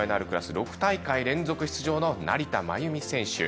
６大会連続出場の成田真由美選手。